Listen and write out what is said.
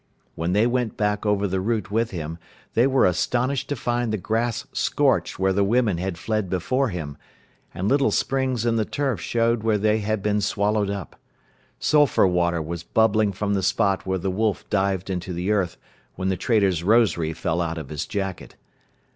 When they went back over the route with him they were astonished to find the grass scorched where the women had fled before him, and little springs in the turf showed where they had been swallowed up. Sulphur water was bubbling from the spot where the wolf dived into the earth when the trader's rosary fell out of his jacket.